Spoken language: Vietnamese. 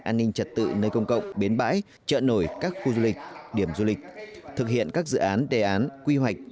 an ninh trật tự nơi công cộng bến bãi chợ nổi các khu du lịch điểm du lịch thực hiện các dự án đề án quy hoạch